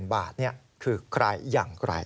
๕๐๐๐๐บาทคือใครอย่างไร